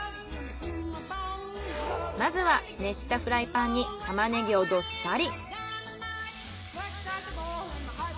まずは熱したフライパンにタマネギをどっさり。